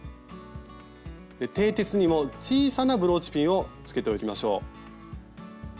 てい鉄にも小さなブローチピンをつけておきましょう。